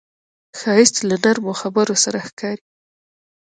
ښایست له نرمو خبرو سره ښکاري